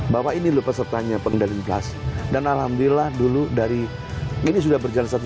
bahwa ini loh pesertanya pengendali inflasi dan alhamdulillah dulu dari ini sudah berjalan satu